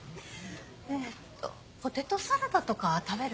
えっとポテトサラダとか食べる？